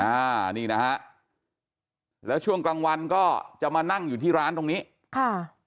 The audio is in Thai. อ่านี่นะฮะแล้วช่วงกลางวันก็จะมานั่งอยู่ที่ร้านตรงนี้ค่ะ